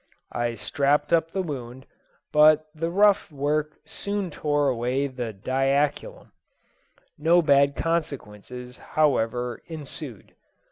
I strapped up the wound, but the rough work soon tore away the diaculum: no bad consequences, however, ensued.